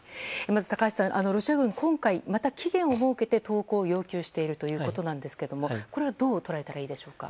まずロシア軍、今回はまた期限を設けて投降を要求しているということなんですけどもこれはどう捉えたらいいでしょうか。